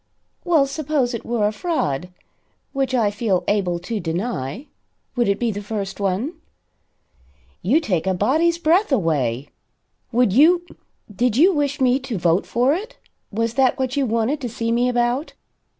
"Well, suppose it were a fraud which I feel able to deny would it be the first one?" "You take a body's breath away! Would you did you wish me to vote for it? Was that what you wanted to see me about?"